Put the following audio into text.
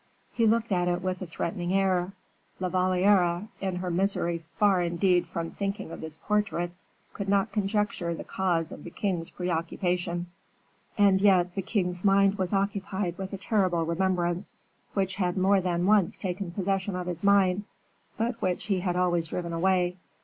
He looked at it with a threatening air. La Valliere, in her misery far indeed from thinking of this portrait, could not conjecture the cause of the king's preoccupation. And yet the king's mind was occupied with a terrible remembrance, which had more than once taken possession of his mind, but which he had always driven away.